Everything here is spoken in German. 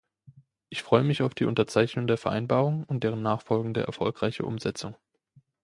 Ich freue mich auf die Unterzeichnung der Vereinbarung und deren nachfolgende erfolgreiche Umsetzung.